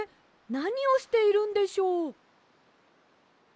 なにをしているんでしょう？